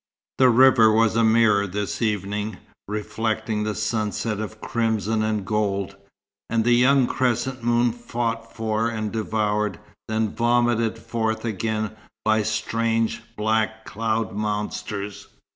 The river was a mirror this evening, reflecting the sunset of crimson and gold, and the young crescent moon fought for and devoured, then vomited forth again by strange black cloud monsters.